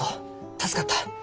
助かった。